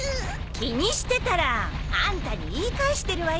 気にしてたらあんたに言い返してるわよ。